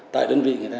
tại đơn vị người ta